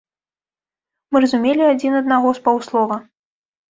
Мы разумелі адзін аднаго з паўслова.